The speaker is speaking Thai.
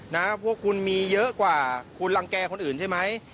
พวกคุณมีเยอะกว่าคุณรังแก่คนอื่นใช่ไหม